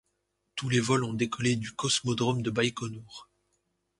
Tous les vols ont décollé du cosmodrome de Baïkonour.